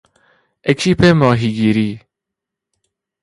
اکیپ ماهیگیری